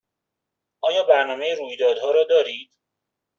آیا برنامه رویدادها را دارید؟